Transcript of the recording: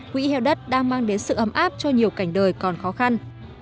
quỹ heo đất đang mang đến sự ấm áp cho nhiều cảnh đời còn khó khăn